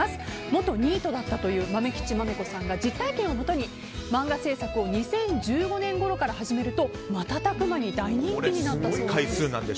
元ニートだったというまめちきまめこさんが実体験をもとに漫画制作を２０１５年ごろから始めると瞬く間に大人気になったそうです。